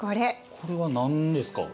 これは何ですか。